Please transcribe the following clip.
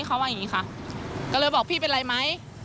เขาว่าอย่างนี้ค่ะก็เลยบอกพี่เป็นไรไหม